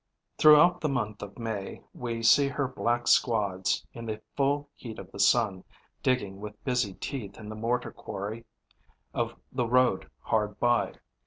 Throughout the month of May, we see her black squads, in the full heat of the sun, digging with busy teeth in the mortar quarry of the road hard by.